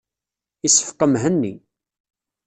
Iseffeq Mhenni.